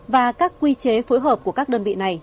và các quy chế phối hợp của các đơn vị này